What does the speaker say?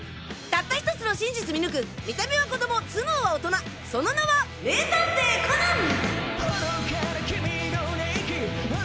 たった１つの真実見抜く見た目は子供頭脳は大人その名は名探偵コナン！